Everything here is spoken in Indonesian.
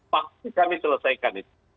pasti kami selesaikan itu